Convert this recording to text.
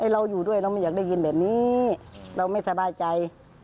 เราอยู่ด้วยเราไม่อยากได้ยินแบบนี้เราไม่สบายใจ